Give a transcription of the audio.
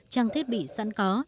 trang thiết bị sẵn có